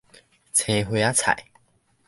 青花仔菜